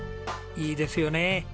いいですよね。